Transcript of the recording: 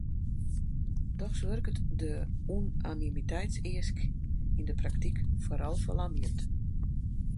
Dochs wurket de unanimiteitseask yn de praktyk foaral ferlamjend.